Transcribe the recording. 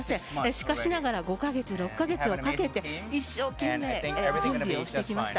しかしながら５カ月、６カ月をかけて一生懸命、準備をしてきました。